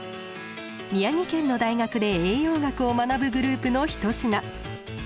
宮城県の大学で栄養学を学ぶグループの一品。